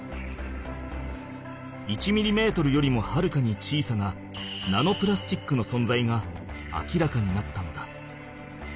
１ミリメートルよりもはるかに小さなナノプラスチックのそんざいが明らかになったのだ。